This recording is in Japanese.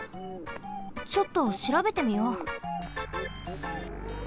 ちょっとしらべてみよう。